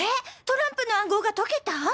トランプの暗号が解けた！？